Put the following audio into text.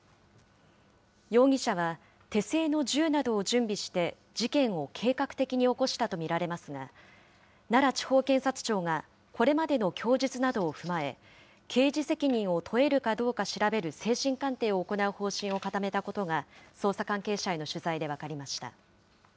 容疑者は手製の銃などを準備して、事件を計画的に起こしたと見られますが、奈良地方検察庁がこれまでの供述などを踏まえ、刑事責任を問えるかどうか調べる精神鑑定を行う方針を固めたことが、捜査関係者への取材で分かりました。